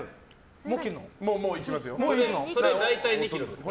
もういきますよ。